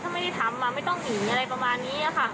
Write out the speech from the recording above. ถ้าไม่ได้ทำไม่ต้องหนีอะไรประมาณนี้ค่ะ